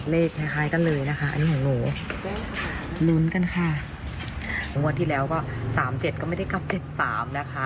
เลขคล้ายคล้ายกันเลยนะคะอันนี้ของหนูลุ้นกันค่ะงวดที่แล้วก็สามเจ็ดก็ไม่ได้กลับเจ็ดสามนะคะ